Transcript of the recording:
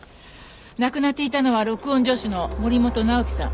亡くなっていたのは録音助手の森本直己さん。